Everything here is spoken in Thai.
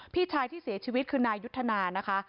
พี่ชายที่เสียชีวิตคือนายยุทธนานะคะ